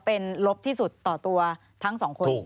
เป็นลบที่สุดต่อตัวทั้งสองคน